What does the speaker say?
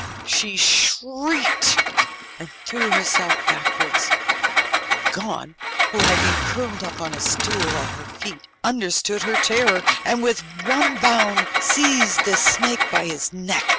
She shrieked and threw herself backwards, and Gon, who had been curled up on a stool at her feet, understood her terror, and with one bound seized the snake by his neck.